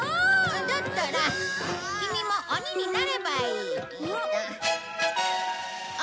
だったらキミも鬼になればいい。